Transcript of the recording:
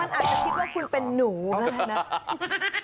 มันอาจจะพิกับว่าคุณเป็นหนูได้ไหม